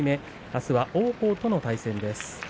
あすは王鵬との対戦です。